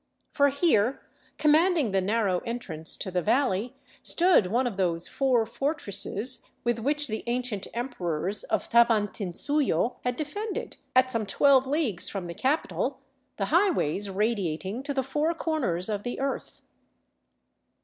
For here, commanding the narrow entrance to the valley, stood one of those four fortresses with which the ancient emperors of Tavantinsuyo had defended, at some twelve leagues from the capital, the highways radiating to the Four Comers of the Earth.